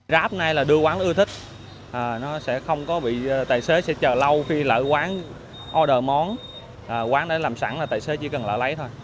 ráp này là đưa quán ưu thích tài xế sẽ chờ lâu khi lỡ quán order món quán để làm sẵn là tài xế chỉ cần lỡ lấy thôi